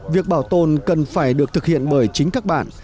việc bảo tồn cần phải được thực hiện bởi chính các bạn